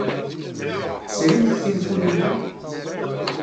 Tesrimt tinfulin-a?